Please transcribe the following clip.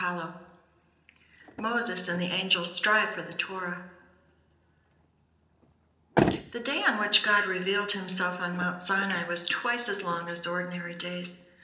MOSES AND THE ANGELS STRIVE FOR THE TORAH The day on which God revealed Himself on Mount Sinai was twice as long as ordinary days.